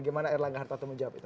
gimana erlangga harta teman jawab itu